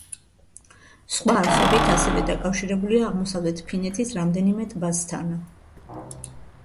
სხვა არხებით ასევე დაკავშირებულია აღმოსავლეთ ფინეთის რამდენიმე ტბასთან.